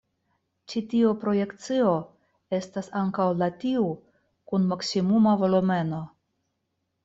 Ĉi tiu projekcio estas ankaŭ la tiu kun maksimuma volumeno.